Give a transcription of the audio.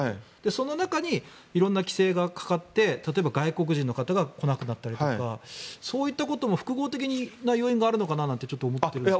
その中に色んな規制がかかって例えば外国人の方が来なくなったりとかそういったことも複合的な要因があるのかなと思ってるんですが。